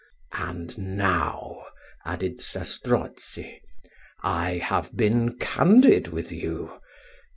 "And now," added Zastrozzi, "I have been candid with you.